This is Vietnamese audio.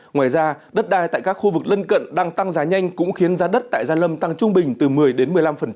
ngoài ra đất đai tại các khu vực lân cận đang tăng giá nhanh cũng khiến giá đất tại gia lâm tăng trung bình từ một mươi đến một mươi năm